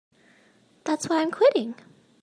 That's why I'm quitting.